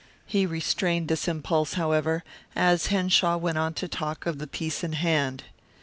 He restrained this impulse, however, as Henshaw went on to talk of the piece in hand.